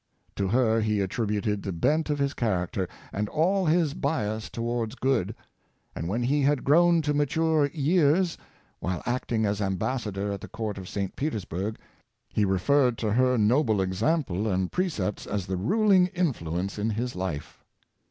To her he attributed the bent of his charac ter, and all his bias towards good; and when he had grown to mature years, while acting as ambassador at 102 yohnson and Washington. the Court of St. Petersburg, he referred to her noble example and precepts as the ruling influence in his life.